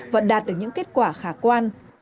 và đạt được những kết quả khả quan